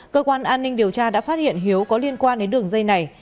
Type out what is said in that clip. cơ quan an ninh điều tra đã phát hiện hiếu có liên quan đến đường dây này